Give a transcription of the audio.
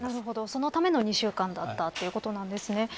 そのための２週間だったということなんですね。